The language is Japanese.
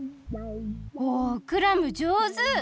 おクラムじょうず！